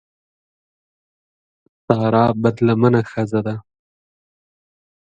سارا بدلمنه ښځه ده.